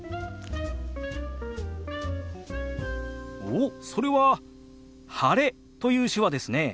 おっそれは「晴れ」という手話ですね。